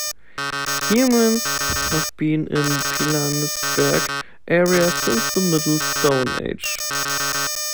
Humans have been in the Pilanesberg area since the Middle Stone Age.